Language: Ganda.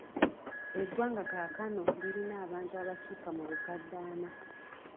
Eggwanga kaakano lirina abantu abasukka mu bukadde ana.